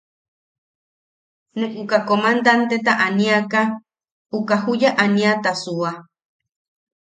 Ne uka comandanteta aniaka uka juya aniata suua.